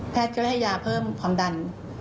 แพทย์ก็ให้ยาเพิ่มความดัน